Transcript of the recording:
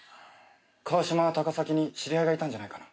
川島は高崎に知り合いがいたんじゃないかな？